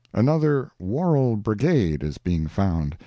Another "Worrell Brigade" is being found.